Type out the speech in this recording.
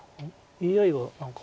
ＡＩは何か。